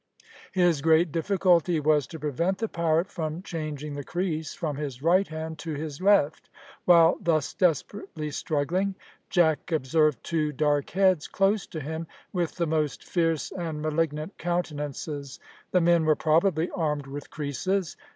His great difficulty was to prevent the pirate from changing the creese from his right hand to his left. While thus desperately struggling, Jack observed two dark heads close to him, with the most fierce and malignant countenances. The men were probably armed with creeses.